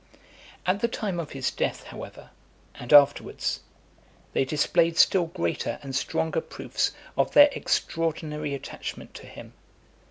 V. At the time of his death, however, and afterwards, they displayed still greater and stronger proofs of their extraordinary attachment to him.